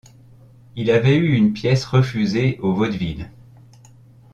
Il avait eu une pièce refusée au Vaudeville.